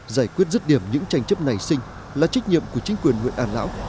giải quyết rứt điểm những tranh chấp này xinh là trách nhiệm của chính quyền nguyễn an lão